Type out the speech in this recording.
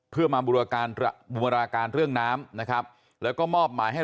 เพื่อมาบูรการบูรณาการเรื่องน้ำนะครับแล้วก็มอบหมายให้